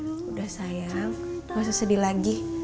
udah sayang gak usah sedih lagi